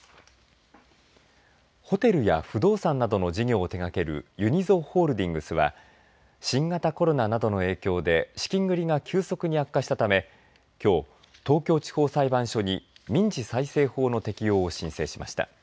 ホテルや不動産などの事業を手がけるユニゾホールディングスは新型コロナなどの影響で資金繰りが急速に悪化したためきょう、東京地方裁判所に民事再生法の適用を申請しました。